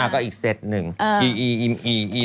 ก็อีกเซตหนึ่งอี